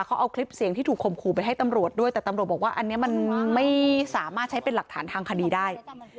เขาเอาคลิปเสียงที่ถูกข่มขู่ไปให้ตำรวจด้วยแต่ตำรวจบอกว่าอันนี้มันไม่สามารถใช้เป็นหลักฐานทางคดีได้